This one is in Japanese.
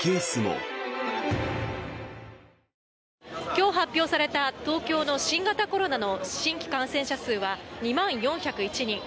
今日発表された東京の新型コロナの新規感染者数は２万４０１人。